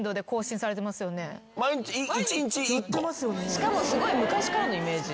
しかもすごい昔からのイメージ。